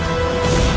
aku akan menangkapmu